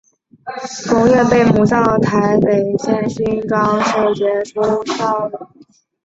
同月被母校台北县新庄市新庄国民小学评为杰出校友。